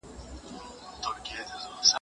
زه پوهیږم چي پښتو زما مورنۍ ژبه ده.